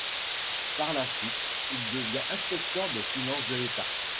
Par la suite, il devient inspecteur des finances de l'État.